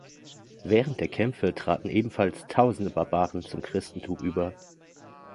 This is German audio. Während der Kämpfe traten ebenfalls tausende Barbaren zum Christentum über.